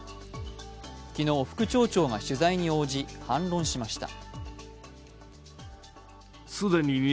昨日、副町長が取材に応じ反論しました。